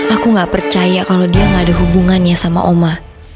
aku nggak percaya kalau dia nggak ada hubungannya sama oma